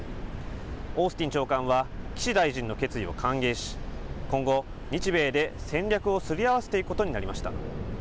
オースティン長官は、岸大臣の決意を歓迎し、今後、日米で戦略をすり合わせていくことになりました。